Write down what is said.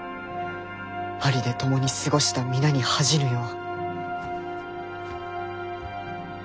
パリで共に過ごした皆に恥じぬよう。